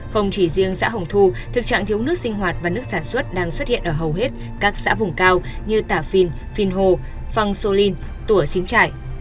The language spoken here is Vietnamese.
không chỉ riêng xã hồng thu thực trạng thiếu nước sinh hoạt và nước sản xuất đang xuất hiện ở hầu hết các xã vùng cao như tả phin phin hồ phăng sô linh tủa xín trải